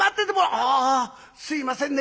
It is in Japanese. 「あすいませんね